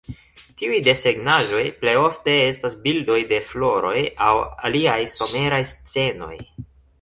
Tiuj desegnaĵoj plejofte estas bildoj de floroj aŭ aliaj someraj scenoj.